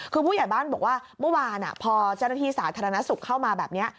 คือผู้ใหญ่บ้านบอกว่าเมื่อวานพอเจ้าหน้าที่สาธารณสุขเข้ามาแบบนี้